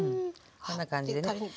こんな感じでね。